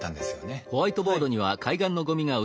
はい。